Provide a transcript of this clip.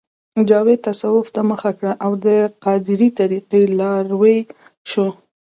جاوید تصوف ته مخه کړه او د قادرې طریقې لاروی شو